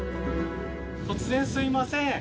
突然すいません。